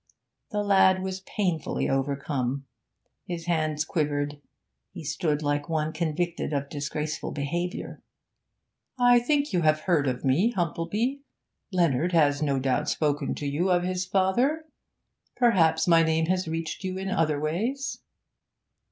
The lad was painfully overcome; his hands quivered, he stood like one convicted of disgraceful behaviour. 'I think you have heard of me, Humplebee. Leonard has no doubt spoken to you of his father. Perhaps my name has reached you in other ways?'